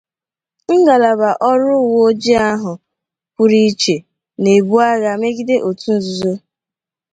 ngalaba ọrụ uweojii ahụ pụrụ iche ná-ébú agha megide otu nzuzo